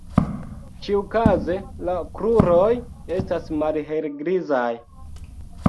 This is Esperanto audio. Ĉiukaze la kruroj estas malhelgrizaj.